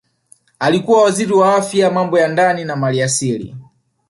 Alikuwa Waziri wa Afya Mambo ya Ndani na Maliasili